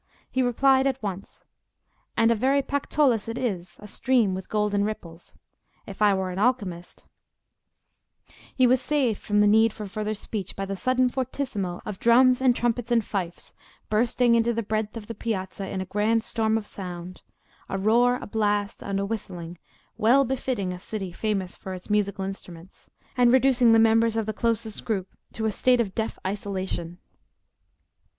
He replied at once— "And a very Pactolus it is—a stream with golden ripples. If I were an alchemist—" He was saved from the need for further speech by the sudden fortissimo of drums and trumpets and fifes, bursting into the breadth of the piazza in a grand storm of sound—a roar, a blast, and a whistling, well befitting a city famous for its musical instruments, and reducing the members of the closest group to a state of deaf isolation.